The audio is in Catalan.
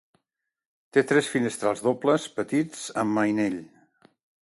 Té tres finestrals dobles, petits, amb mainell.